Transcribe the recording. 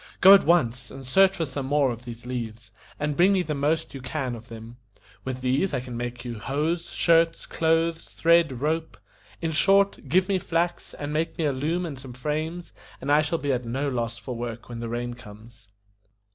Go at once and search for some more of these leaves, and bring me the most you can of them. With these I can make you hose, shirts, clothes, thread, rope; in short, give me flax, and make me a loom and some frames, and I shall be at no loss for work when the rain comes."